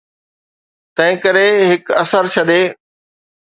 تنهنڪري هڪ اثر ڇڏي.